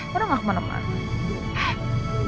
lo udah gak kemana mana